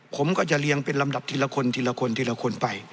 ผมก็จะเรียงเป็นลำดับทีละคนทีละคนทีละคนไป